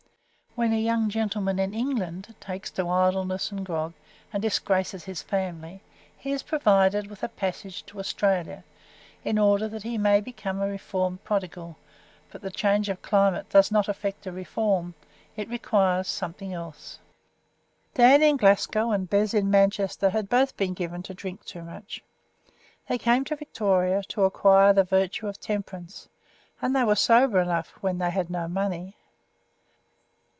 When a young gentleman in England takes to idleness and grog, and disgraces his family, he is provided with a passage to Australia, in order that he may become a reformed prodigal; but the change of climate does not effect a reform; it requires something else. Dan in Glasgow and Bez in Manchester had both been given to drink too much. They came to Victoria to acquire the virtue of temperance, and they were sober enough when they had no money.